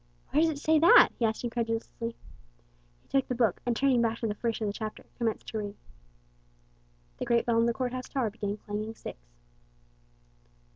'" "Where does it say that?" he asked, incredulously. He took the book, and turning back to the first of the chapter, commenced to read. The great bell in the court house tower began clanging six.